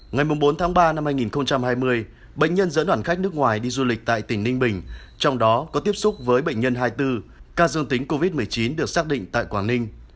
ngày bốn tháng ba năm hai nghìn hai mươi bệnh nhân dẫn đoàn khách nước ngoài đi du lịch tại tỉnh ninh bình trong đó có tiếp xúc với bệnh nhân hai mươi bốn ca dương tính covid một mươi chín được xác định tại quảng ninh